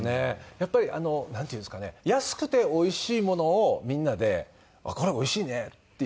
やっぱりなんていうんですかね安くておいしものをみんなでこれおいしいねっていう